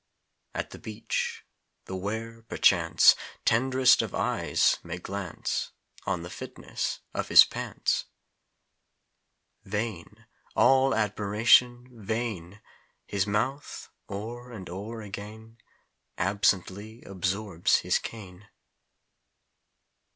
At the beach, the where, perchance Tenderest of eyes may glance On the fitness of his pants. Vain! all admiration vain! His mouth, o'er and o'er again Absently absorbs his cane.